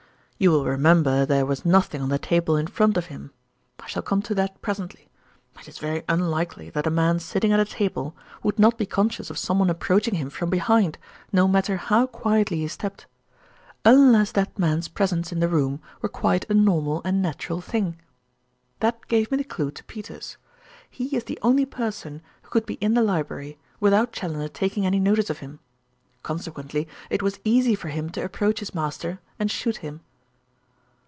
"You will remember there was nothing on the table in front of him. I shall come to that presently. It is very unlikely that a man sitting at a table would not be conscious of someone approaching him from behind, no matter how quietly he stepped, unless that man's presence in the room were quite a normal and natural thing. That gave me the clue to Peters. He is the only person who could be in the library without Challoner taking any notice of him. Consequently it was easy for him to approach his master and shoot him."